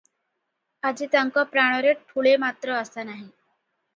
ଆଜି ତାଙ୍କ ପ୍ରାଣରେ ଠୁଳେ ମାତ୍ର ଆଶା ନାହିଁ ।